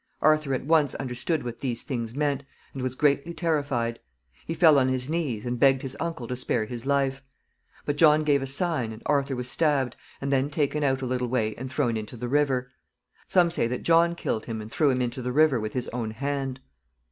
Arthur at once understood what these things meant, and was greatly terrified. He fell on his knees, and begged his uncle to spare his life; but John gave a sign, and Arthur was stabbed, and then taken out a little way and thrown into the river. Some say that John killed him and threw him into the river with his own hand.